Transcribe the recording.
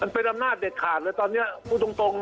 เป็นอำนาจเด็ดขาดเลยตอนนี้พูดตรง